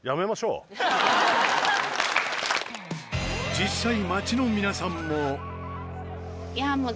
実際街の皆さんも。